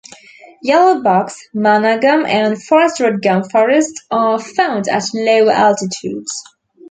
Yellow Box, Manna Gum and Forest Red Gum forests are found at lower altitudes.